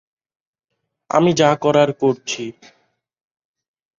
আমি যা করার করছি।